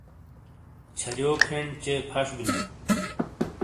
چھَرِیو کھین چے فَش بِیلُوں۔